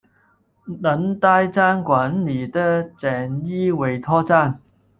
能代站管理的简易委托站。